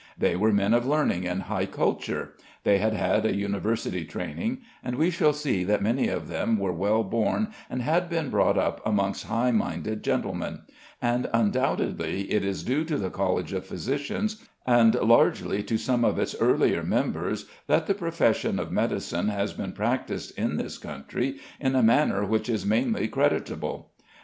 They were men of learning and high culture; they had had a university training; and we shall see that many of them were well born and had been brought up amongst high minded gentlemen; and undoubtedly it is due to the College of Physicians, and largely to some of its earlier members, that the profession of medicine has been practised in this country in a manner which is mainly creditable.